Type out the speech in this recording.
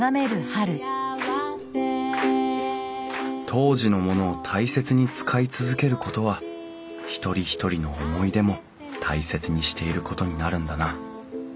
当時のものを大切に使い続けることは一人一人の思い出も大切にしていることになるんだな